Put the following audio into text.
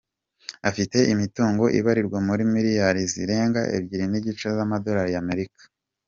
Afite imitungo ibarirwa muri miliyari zirenga ebyeri n’igice z’amadorali y’Amerika.